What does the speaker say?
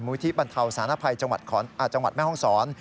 มูลที่บรรเทาศาลภัยจังหวัดแม่ฮ่องศร